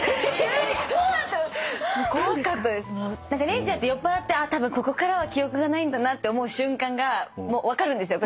れにちゃんって酔っぱらってたぶんここからは記憶がないんだなって思う瞬間が分かるんですよ